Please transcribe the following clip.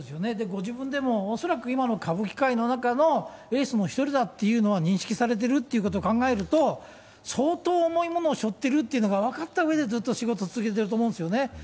ご自分でも恐らく今の歌舞伎界の中のエースの一人だっていうのは認識されてるってことを考えると、相当重いものをしょってるっていうのを分かったうえでずっと仕事続けてると思うんですよね。